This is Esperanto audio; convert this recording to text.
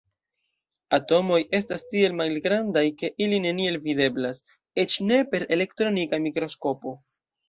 Atomoj estas tiel malgrandaj, ke ili neniel videblas, eĉ ne per elektronika mikroskopo.